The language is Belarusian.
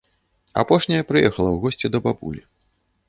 Апошняя прыехала ў госці да бабулі.